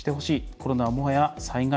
コロナはもはや災害。